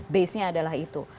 basenya adalah itu